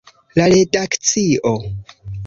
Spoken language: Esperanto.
La redakcio.